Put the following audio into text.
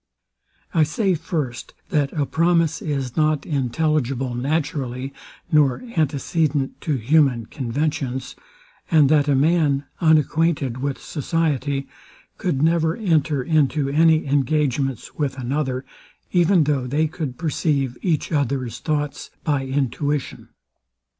I say, first, that a promise is not intelligible naturally, nor antecedent to human conventions; and that a man, unacquainted with society, could never enter into any engagements with another, even though they could perceive each other's thoughts by intuition.